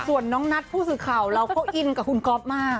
ส่วนน้องนัทผู้สื่อข่าวเราก็อินกับคุณก๊อฟมาก